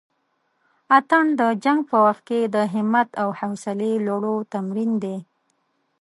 اتڼ د جنګ په وخت کښې د همت او حوصلې لوړلو تمرين دی.